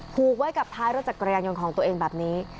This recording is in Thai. ผูกไว้กับท้ายรถจักรยานยนต์ของตัวเองแบบนี้